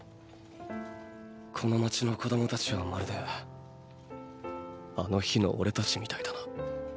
この街の子供たちはまるであの日のオレたちみたいだな。